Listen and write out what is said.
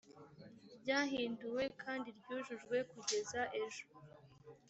ryahinduwe kandi ryujujwe kugeza ejo